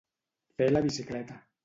Fer la bicicleta.